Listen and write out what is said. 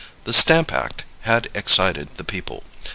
The Stamp Act had excited the people.